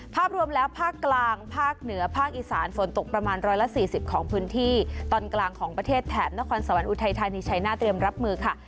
ภาพรวมแล้วภาคกลางภาคเหนือภาคอีสานฝนตกประมาณ๑๔๐ของพื้นที่ตอนกลางของประเทศแถบนครสวรรค์อุทัยธานีชัยหน้าเตรียมรับมือค่ะ